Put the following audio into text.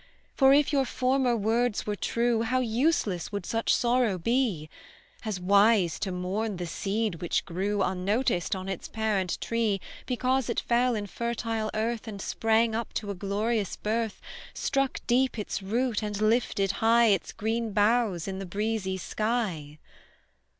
For, if your former words were true, How useless would such sorrow be; As wise, to mourn the seed which grew Unnoticed on its parent tree, Because it fell in fertile earth, And sprang up to a glorious birth Struck deep its root, and lifted high Its green boughs in the breezy sky.